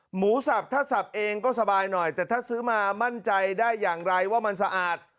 หมูสับถ้าสับเองก็สบายหน่อยแต่ถ้าซื้อมามั่นใจได้อย่างไรว่ามันสะอาด